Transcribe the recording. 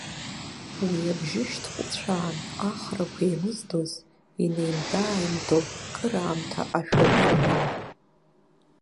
Уи абжьы шьҭкәыцәаан, ахрақәа еимыздоз, инеимда-ааимдо, кыраамҭа ашәаны ирҳәон.